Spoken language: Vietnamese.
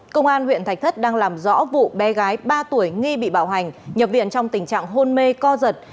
công an huyện thạch thất đang làm rõ vụ bé gái ba tuổi nghi bị bảo hành nhập viện trong tình trạng hôn mê co giật